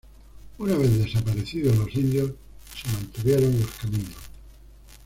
Una vez desaparecidos los indios, se mantuvieron los caminos.